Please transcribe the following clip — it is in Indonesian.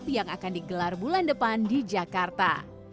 yang akan digelar bulan depan di jakarta